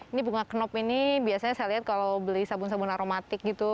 ini bunga kenop ini biasanya saya lihat kalau beli sabun sabun aromatik gitu